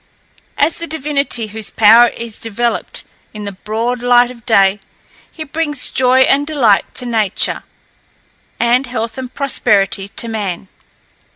As the divinity whose power is developed in the broad light of day, he brings joy and delight to nature, and health and prosperity to man.